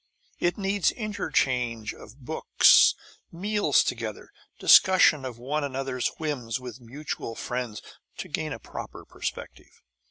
It needs interchange of books, meals together, discussion of one another's whims with mutual friends, to gain a proper perspective.